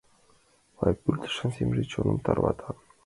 Лай пӱртӱсын семже чоным тарвата.